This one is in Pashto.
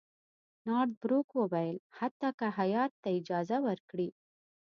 نارت بروک وویل حتی که هیات ته اجازه ورکړي.